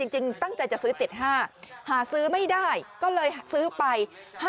จริงตั้งใจจะซื้อ๗๕หาซื้อไม่ได้ก็เลยซื้อไป